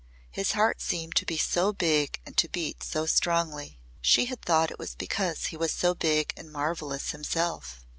His heart seemed to be so big and to beat so strongly. She had thought it was because he was so big and marvellous himself.